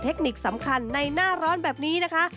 เทคนิคสำคัญในหน้าร้อนแบบนี้นะคะ